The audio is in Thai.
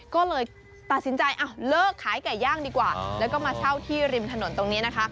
ก็เลยตัดสินใจเลิกขายไก่ย่างดีกว่าแล้วก็มาเช่าที่ริมถนนตรงนี้นะคะ